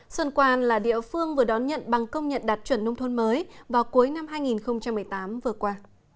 xuân quan là địa phương vừa đón nhận bằng công nhận đạt chuẩn nông thôn mới vào cuối năm hai nghìn một mươi tám vừa qua